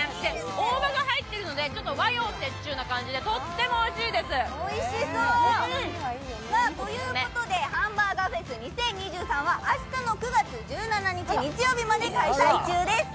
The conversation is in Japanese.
大葉が入っているので和洋折衷でとってもおいしいです。ということでハンバーガーフェス２０２３は明日、９月１７日まで開催中です。